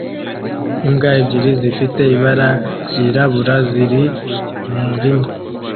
Imbwa ebyiri zifite ibara ryirabura ziri mumurima